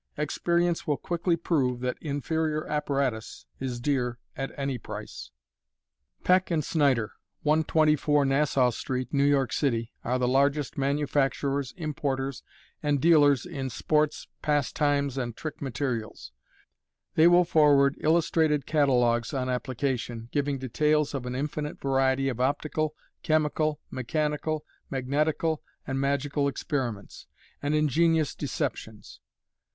Experience will quickly prove that inferior apparatus is dear at any price. MODERN MAGIC. 121 Peck & Snyder, 124 Nassau Street, New York City, are the largest manufacturers, importers, and dealers in sports, pastimes, and trick materials. They will forward illustrated catalogues on application, giving details of an infinite variety of Optical, Chemical, Mechanical, Magnetical, and Magical Experiments, and ingenious deceptions.